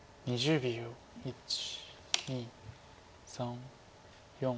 １２３４。